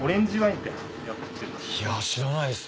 いや知らないです。